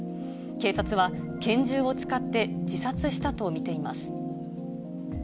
警察は、拳銃を使って自殺したと見ています。